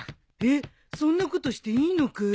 えっそんなことしていいのかい？